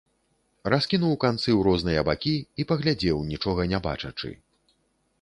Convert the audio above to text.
Раскінуў канцы ў розныя бакі і паглядзеў, нічога не бачачы.